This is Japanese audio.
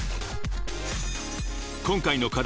［今回の課題